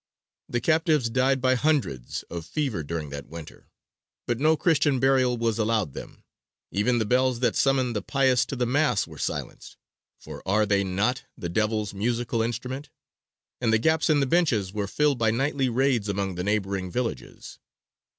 The captives died by hundreds of fever during that winter, but no Christian burial was allowed them even the bells that summon the pious to the Mass were silenced, for are they not "the devil's musical instrument"? and the gaps in the benches were filled by nightly raids among the neighbouring villages.